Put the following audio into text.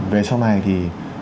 về sau này thì